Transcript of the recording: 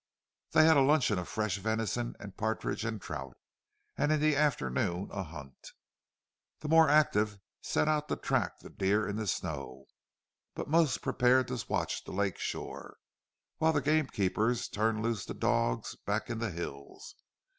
They had a luncheon of fresh venison and partridges and trout, and in the afternoon a hunt. The more active set out to track the deer in the snow; but most prepared to watch the lake shore, while the game keepers turned loose the dogs back in the hills.